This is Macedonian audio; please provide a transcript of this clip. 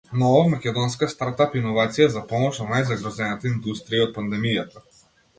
Нова македонска стартап иновација за помош на најзагрозената индустрија од пандемијата